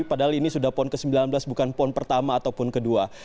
padahal ini sudah pon ke sembilan belas bukan pon pertama ataupun kedua